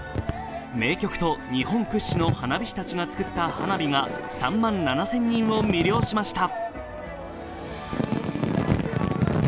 名曲と日本屈指の花火師たちが作った花火が３万７０００人を魅了しました。